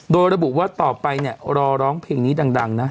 โดยระบุว่าต่อไปเนี่ยรอร้องเพลงนี้ดังนะ